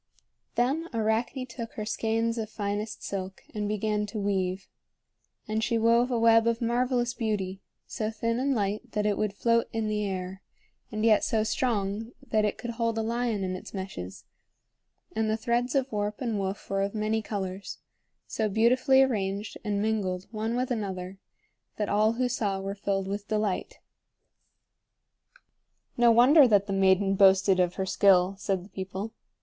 Then Arachne took her skeins of finest silk and began to weave. And she wove a web of marvelous beauty, so thin and light that it would float in the air, and yet so strong that it could hold a lion in its meshes; and the threads of warp and woof were of many colors, so beautifully arranged and mingled one with another that all who saw were filled with delight. "No wonder that the maiden boasted of her skill," said the people.